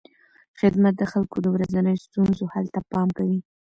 خدمت د خلکو د ورځنیو ستونزو حل ته پام کوي.